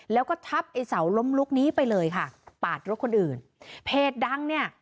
แล้วก็ทับไอ้เสาล้มลุกนี้ไปเลยค่ะปาดรถคนอื่นเพจดังเนี่ย